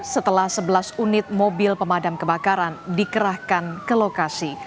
setelah sebelas unit mobil pemadam kebakaran dikerahkan ke lokasi